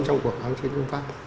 trong cuộc kháng chiến chống pháp